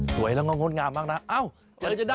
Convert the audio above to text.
สวยแล้วง่อนง่อนงามมากนะอ้าวเจอจะได้